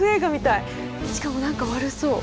しかも何か悪そう。